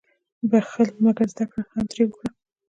• بخښل، مګر زده کړه هم ترې وکړه.